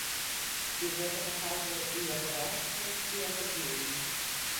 І гэта паказвае і яго рэакцыя, і яго дзеянні.